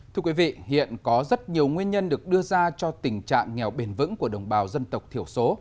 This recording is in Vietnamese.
thưa quý vị hiện có rất nhiều nguyên nhân được đưa ra cho tình trạng nghèo bền vững của đồng bào dân tộc thiểu số